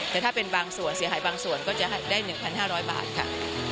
แต่ถ้าเป็นบางส่วนเสียหายบางส่วนก็จะได้๑๕๐๐บาทค่ะ